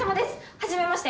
はじめまして！